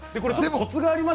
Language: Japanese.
コツがあります。